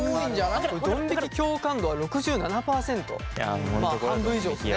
ドン引き共感度は６７％半分以上ですね。